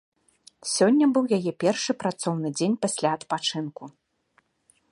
Сёння быў яе першы працоўны дзень пасля адпачынку.